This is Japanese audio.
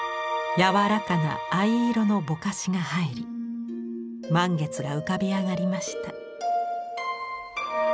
柔らかな藍色のぼかしが入り満月が浮かび上がりました。